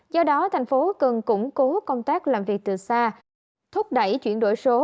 do đó tp hcm cũng cố công tác làm việc từ xa thúc đẩy chuyển đổi số